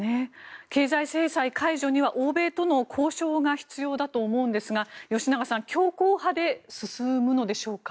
経済制裁解除には欧米との交渉が必要だと思うんですが吉永さん強硬派で進むのでしょうか。